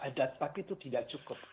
adat tapi itu tidak cukup